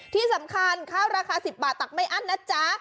ที่สำคัญข้าวราคา๑๐บาทตักไม่อั้นนะจ๊ะ